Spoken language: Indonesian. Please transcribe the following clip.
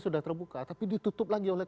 sudah terbuka tapi ditutup lagi oleh